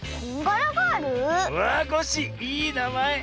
あっコッシーいいなまえ。